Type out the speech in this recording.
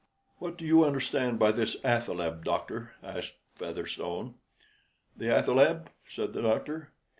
"What do you understand by this athaleb, doctor?" asked Featherstone. "The athaleb?" said the doctor.